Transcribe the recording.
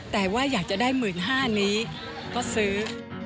แต่ว่าอยากจะได้๑๕๐๐นี้ก็ซื้อ